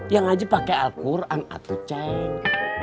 ya ngaji pakai al quran atu ceng